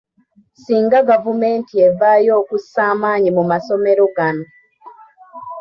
Singa gavumenti evaayo okussa amaanyi mu masomero gano.